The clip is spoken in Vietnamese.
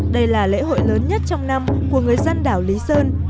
đây là lễ hội lớn nhất trong năm của người dân đảo lý sơn